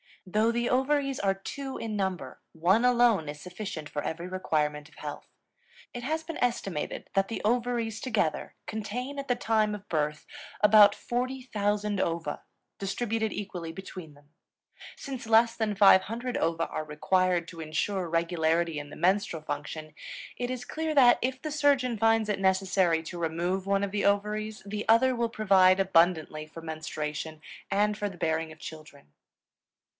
Though the ovaries are two in number, one alone is sufficient for every requirement of health. It has been estimated that the ovaries together contain at the time of birth about 40,000 ova, distributed equally between them. Since less than 500 ova are required to insure regularity in the menstrual function, it is clear that, if the surgeon finds it necessary to remove one of the ovaries, the other will provide abundantly for menstruation and for the bearing of children.